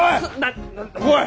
おい！